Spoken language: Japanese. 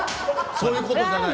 そういうことじゃない。